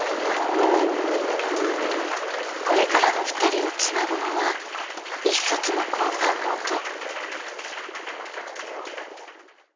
これからのふたりをつなぐのは１冊の交換ノート。